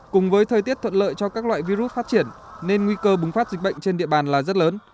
cùng với thời tiết thuận lợi cho các loại virus phát triển nên nguy cơ bùng phát dịch bệnh trên địa bàn là rất lớn